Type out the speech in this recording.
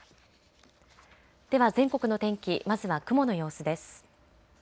では全国の天気、まずは雲の様子です。